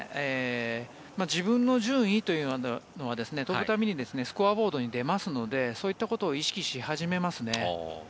自分の順位というのは飛ぶ度にスコアボードに出ますのでそういったことを意識し始めますね。